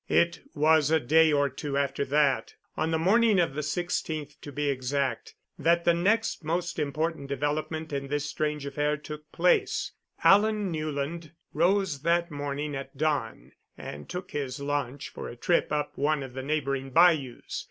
It was a day or two after that on the morning of the 16th, to be exact that the next most important development in this strange affair took place. Alan Newland rose that morning at dawn and took his launch for a trip up one of the neighboring bayous.